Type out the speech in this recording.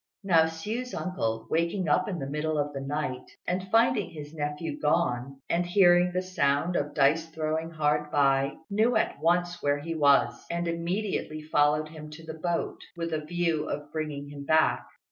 Now Hsiu's uncle, waking up in the middle of the night, and finding his nephew gone, and hearing the sound of dice throwing hard by, knew at once where he was, and immediately followed him to the boat with a view of bringing him back.